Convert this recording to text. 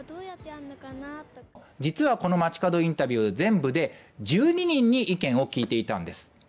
実はこの街角インタビュー全部で１２人に意見を聞いていたんです。